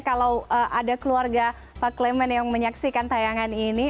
kalau ada keluarga pak clement yang menyaksikan tayangan ini